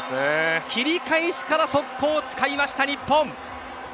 切り返しから速攻を使いました日本。